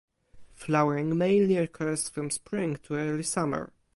Flowering mainly occurs from spring to early summer.